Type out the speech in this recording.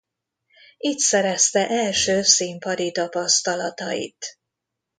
Itt szerezte első színpadi tapasztalatait.